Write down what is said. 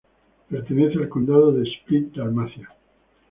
Pertenece al condado de Split-Dalmacia.